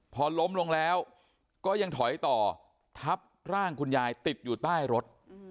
พอล้มลงแล้วก็ยังถอยต่อทับร่างคุณยายติดอยู่ใต้รถ